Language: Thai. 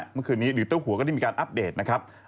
เมื่อคืนนี้หรือเจ้าหัวก็ได้มีการอัปเดตนะครับ